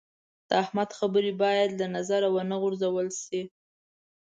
د احمد خبرې باید له نظره و نه غورځول شي.